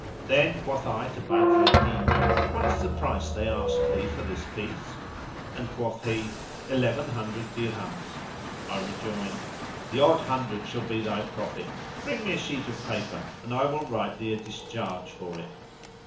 Then quoth I to Badr al Din, "What is the price they asked thee for this piece?"; and quoth he, "Eleven hundred dirhams." I rejoined, "The odd hundred shall be thy profit: bring me a sheet of paper and I will write thee a discharge for it."